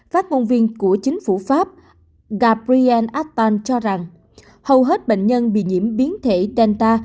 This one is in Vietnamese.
phát ngôn viên của chính phủ pháp gabriel attah cho rằng hầu hết bệnh nhân bị nhiễm biến thể delta